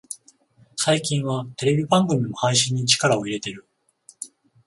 最近はテレビ番組も配信に力を入れてる